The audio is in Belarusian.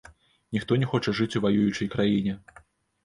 Ніхто не хоча жыць у ваюючай краіне.